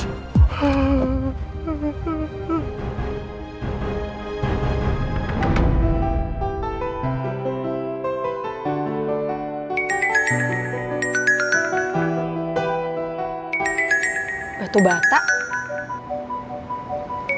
jangan lupa subscribe channel mel